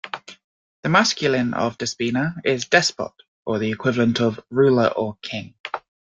The masculine of Despina is Despot or the equivalent of ruler or king.